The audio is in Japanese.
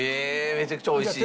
めちゃくちゃおいしい？